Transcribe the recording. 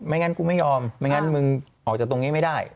งั้นกูไม่ยอมไม่งั้นมึงออกจากตรงนี้ไม่ได้